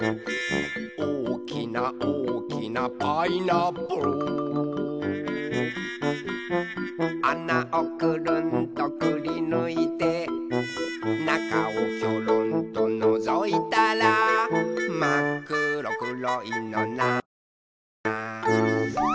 「おおきなおおきなパイナップル」「あなをくるんとくりぬいて」「なかをきょろんとのぞいたら」「まっくろくろいのなんだろな」